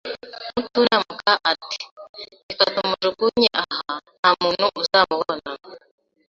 Mutunamuka ati « reka tumujugunye aha, nta muntu uzamubona